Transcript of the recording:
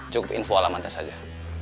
cukup info alamannya saja